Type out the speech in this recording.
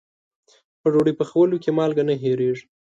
په ډوډۍ پخولو کې مالګه نه هېریږي.